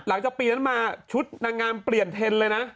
หลังจากปีนั้นมาชุดนางงามเปลี่ยนเทนเลยนะ